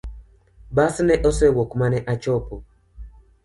Bas ne osewuok mane achopo